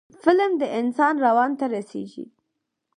فلم د انسان روان ته رسیږي